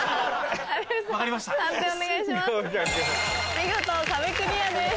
見事壁クリアです。